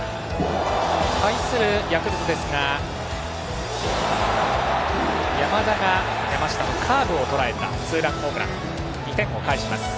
対するヤクルトですが山田が、山下のカーブをとらえたツーランホームランで２点を返します。